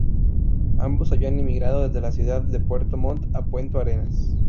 Ambos habían emigrado desde la ciudad de Puerto Montt a Punta Arenas.